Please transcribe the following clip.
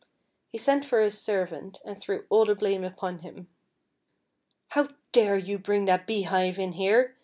He sent for his servant, and threw all the blame upon him. " How dare you bring that beehive in here?"